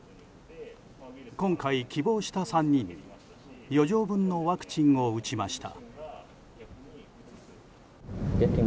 今回、希望した３人に余剰分のワクチンを打ちました。